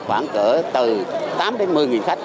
khoảng cỡ từ tám một mươi khách